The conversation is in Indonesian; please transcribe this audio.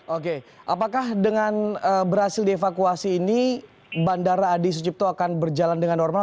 oke apakah dengan berhasil dievakuasi ini bandara adi sucipto akan berjalan dengan normal